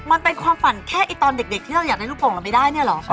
มันเป็นความฝันแค่ตอนเด็กที่เราอยากได้ลูกโป่งเราไม่ได้เนี่ยเหรอคะ